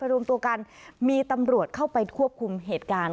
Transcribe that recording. รวมตัวกันมีตำรวจเข้าไปควบคุมเหตุการณ์